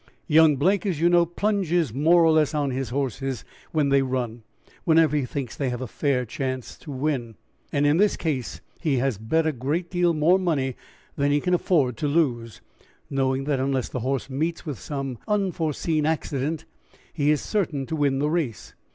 "Young Blake, as you know, 'plunges' more or less on his horses when they run, whenever he thinks they have a fair show to win, and in this case he has bet a great deal more money than he can afford to lose, knowing that unless the horse meets with some unforeseen accident he is certain to win the race.